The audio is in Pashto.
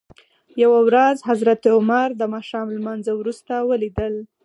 یوه ورځ حضرت عمر دماښام لمانځه وروسته ولید ل.